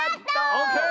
オーケー！